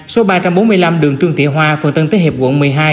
số ba trăm bốn mươi năm đường trường thị hoa phần tân tới hiệp quận một mươi hai